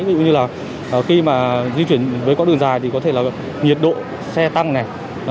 ví dụ như là khi mà di chuyển với quãng đường dài thì có thể là nhiệt độ xe tăng này